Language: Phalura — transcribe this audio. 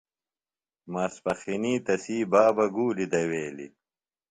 ماسپخِنی تسی بابہ گُولیۡ دویلیۡ۔